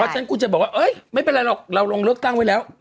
เพราะฉะนั้นกูจะบอกว่าเอ้ยไม่เป็นไรหรอกเราลงเลือกตั้งไว้แล้ว